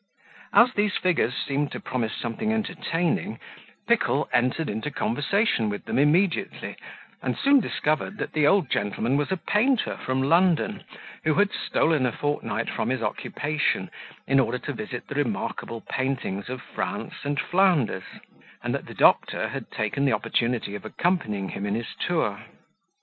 As these figures seemed to promise something entertaining, Pickle entered into conversation with them immediately, and soon discovered that the old gentleman was a painter from London, who had stolen a fortnight from his occupation, in order to visit the remarkable paintings of France and Flanders; and that the doctor had taken the opportunity of accompanying him in his tour.